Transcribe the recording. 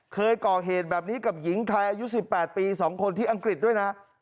เคยก่อเหตุแบบนี้กับหญิงไทยอายุ๑๘ปี๒คนที่อังกฤษด้วยนะ